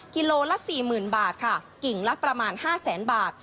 กิโลละสี่หมื่นบาทค่ะกิ่งละประมาณห้าแสนบาท